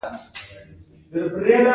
د ګټې بیه د پانګوال لپاره ډېر ارزښت لري